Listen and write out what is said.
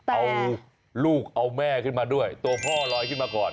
เอาลูกเอาแม่ขึ้นมาด้วยตัวพ่อลอยขึ้นมาก่อน